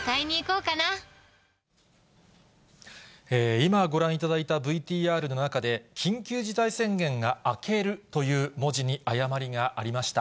今、ご覧いただいたＶＴＲの中で、緊急事態宣言が明けるという文字に誤りがありました。